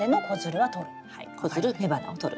子づる雌花をとる。